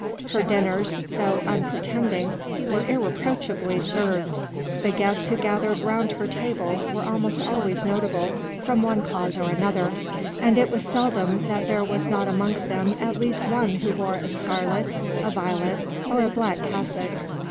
Her dinners, though unpretending, were irreproachably served ; the guests who gathered round her table were almost always notable from one cause or another, and it was seldom that there was not amongst them at least one who wore a scarlet, a violet, or a black cassock.